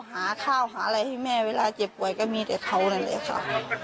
หาข้าวหาอะไรให้แม่เวลาเจ็บป่วยก็มีแต่เขานั่นแหละค่ะ